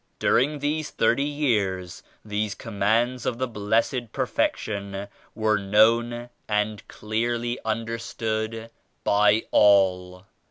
During these thirty years these commands of the Blessed Perfection were known and clearly understood by all.